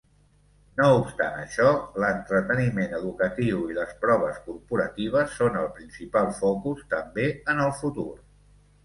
No obstant això, l'entreteniment educatiu i les proves corporatives són el principal focus també en el futur.